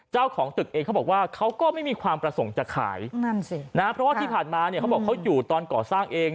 เจ้าของตึกเองเขาบอกว่าเขาก็ไม่มีความประสงค์จะขายนั่นสินะเพราะว่าที่ผ่านมาเนี่ยเขาบอกเขาอยู่ตอนก่อสร้างเอง